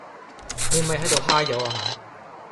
你咪喺度揩油呀吓